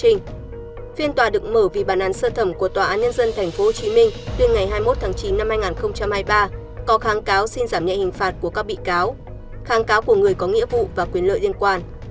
phiên tòa được mở vì bản án sơ thẩm của tòa án nhân dân tp hcm tuyên ngày hai mươi một tháng chín năm hai nghìn hai mươi ba có kháng cáo xin giảm nhẹ hình phạt của các bị cáo kháng cáo của người có nghĩa vụ và quyền lợi liên quan